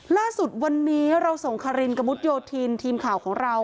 ล่าสุดวันนี้เราส่งคารินกระมุดโยธินทีมข่าวของเรา